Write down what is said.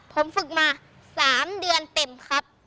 ผมฝึกมา๓เดือนเต็มครับ